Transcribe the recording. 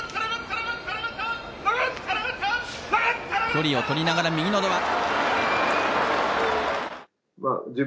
距離を取りながら右のど輪。